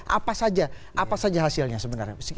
apa saja hasilnya sebenarnya